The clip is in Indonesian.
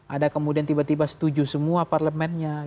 ada kemudian tiba tiba setuju semua parlemennya